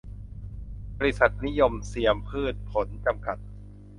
บริษัท นิยมเซียมพืชผล จำกัด